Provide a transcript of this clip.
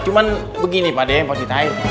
cuma begini pak d yang mau ceritain